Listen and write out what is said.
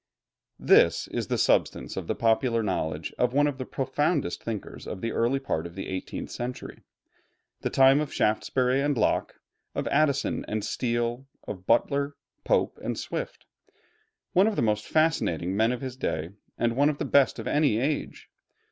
This is the substance of the popular knowledge of one of the profoundest thinkers of the early part of the eighteenth century, the time of Shaftesbury and Locke, of Addison and Steele, of Butler, Pope, and Swift, one of the most fascinating men of his day, and one of the best of any age.